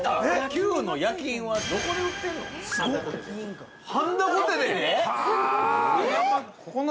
Ｑの焼き印は、どこで売ってるの。